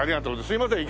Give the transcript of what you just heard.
すいません。